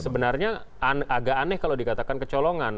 sebenarnya agak aneh kalau dikatakan kecolongan